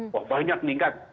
wah banyak meningkat